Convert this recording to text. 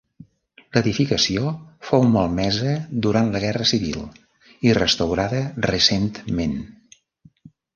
L’edificació fou malmesa durant la Guerra Civil i restaurada recentment.